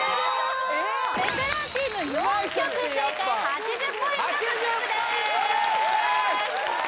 ベテランチーム４曲正解８０ポイント獲得です